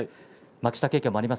幕下経験もあります。